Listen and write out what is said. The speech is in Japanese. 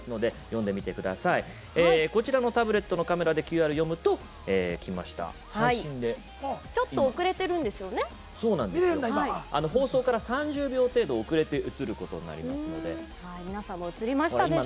こちらのタブレットのカメラでＱＲを読み取りますと放送から３０秒程度、遅れて映ることになりますので。